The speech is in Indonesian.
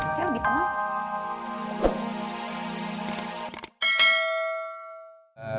saya lebih pengen